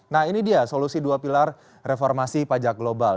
nah ini dia solusi dua pilar reformasi pajak global